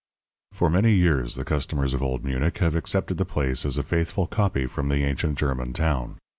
For many years the customers of Old Munich have accepted the place as a faithful copy from the ancient German town.